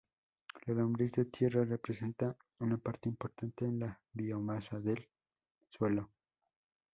La lombriz de tierra representa una parte importante de la biomasa del suelo.